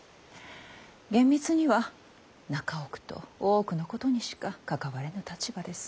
厳密には中奥と大奥のことにしか関われぬ立場です。